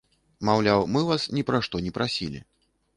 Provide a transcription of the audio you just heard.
Маўляў, мы вас ні пра што не прасілі.